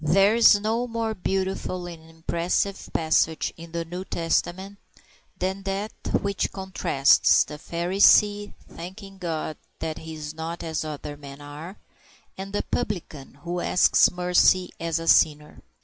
THERE is no more beautiful and impressive passage in the New Testament than that which contrasts the Pharisee thanking God that he is not as other men are and the Publican who asks mercy as a sinner.